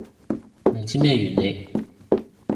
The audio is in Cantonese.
唔知咩原理